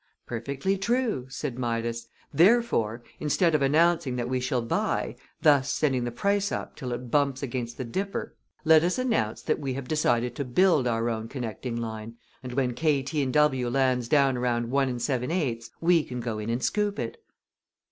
"Perfectly true," said Midas. "Therefore, instead of announcing that we shall buy, thus sending the price up till it bumps against the Dipper, let us announce that we have decided to build our own connecting line, and when K., T. & W. lands down around 1 7/8 we can go in and scoop it."